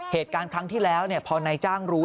เหตุการณ์ครั้งที่แล้วพอนายจ้างรู้